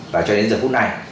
và cho đến giờ phút này